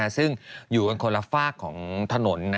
ซึ่งอยู่กันคนละฝากของถนน